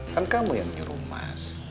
kan kamu yang nyuruh mas